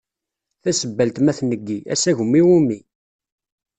Tasebbalt ma tneggi, asagem iwumi?